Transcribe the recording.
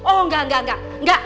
oh gak gak gak